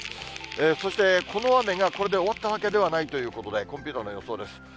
そしてこの雨が、これで終わったわけではないということで、コンピューターの予想です。